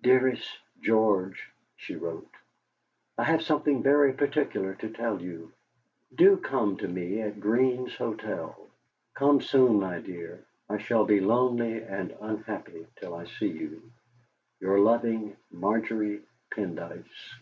"DEAREST GEORGE" (she wrote), "I have something very particular to tell you. Do come to me at Green's Hotel. Come soon, my dear. I shall be lonely and unhappy till I see you. "Your loving "MARGERY PENDYCE."